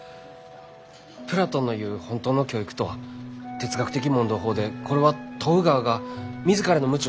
プラトンの言う本当の教育とは哲学的問答法でこれは問う側が自らの無知を自覚することによって。